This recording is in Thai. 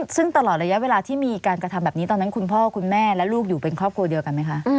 ซึ่งตลอดระยะเวลาที่มีการกระทำแบบนี้ตอนนั้นคุณพ่อคุณแม่และลูกอยู่เป็นครอบครัวเดียวกันไหมคะ